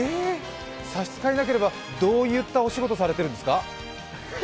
差し支えなければ、どういったお仕事されてるんですか。